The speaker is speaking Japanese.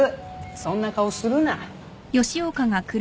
そんな顔するな。